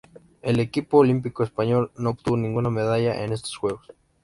El equipo olímpico español no obtuvo ninguna medalla en estos Juegos.